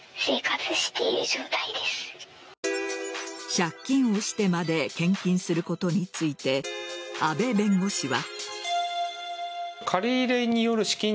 借金してまで献金することについて阿部弁護士は。